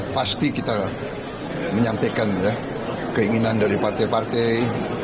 pasti kita menyampaikan keinginan dari partai partai